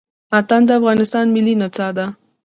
اتڼ د افغانستان ملي نڅا ده.